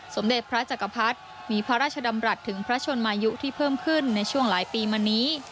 สมเด็จพระจักรพรรดิมีพระราชดำรัฐถึงพระชนมายุที่เพิ่มขึ้นในช่วงหลายปีมานี้